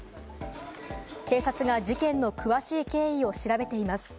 警察が事件の詳しい経緯を調べています。